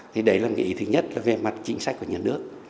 thì đấy là nghĩa thứ nhất về mặt chính sách của nhà nước